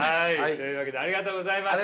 というわけでありがとうございました。